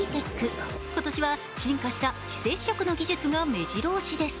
今年は進化した非接触の技術がめじろ押しです。